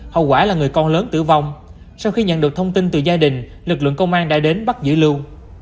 hậu quả là người con lớn tử vong sau khi nhận được thông tin từ gia đình lực lượng công an đã đến bắt giữ lưu